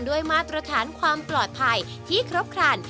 มาตรฐานความปลอดภัยที่ครบครัน